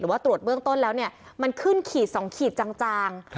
ว่าตรวจเบื้องต้นแล้วเนี่ยมันขึ้นขีด๒ขีดจาง